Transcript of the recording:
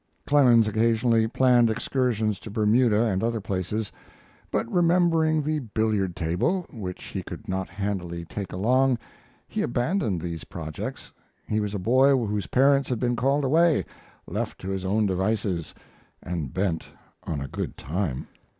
Clemens occasionally planned excursions to Bermuda and other places; but, remembering the billiard table, which he could not handily take along, he abandoned these projects. He was a boy whose parents had been called away, left to his own devices, and bent on a good time.